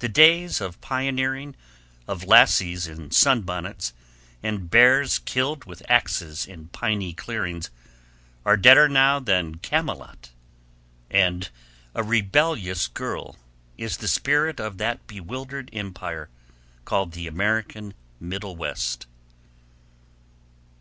The days of pioneering, of lassies in sunbonnets, and bears killed with axes in piney clearings, are deader now than Camelot; and a rebellious girl is the spirit of that bewildered empire called the American Middlewest.